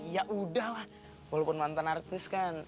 ya udahlah walaupun mantan artis kan